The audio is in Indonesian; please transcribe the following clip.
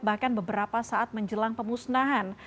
bahkan beberapa saat menjelang pemusnahan